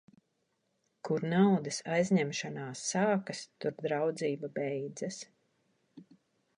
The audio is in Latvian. Kur naudas aizņemšanās sākas, tur draudzība beidzas.